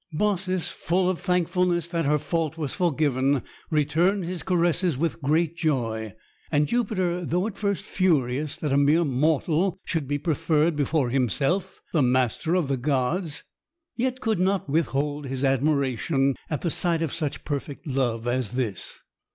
Baucis, full of thankfulness that her fault was forgiven, returned his caresses with great joy; and Jupiter, though at first furious that a mere mortal should be preferred before himself, the Master of the Gods, yet could not withhold his admiration at the sight of such perfect love as this.